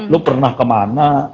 lu pernah kemana